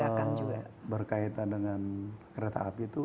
kalau berkaitan dengan kereta api itu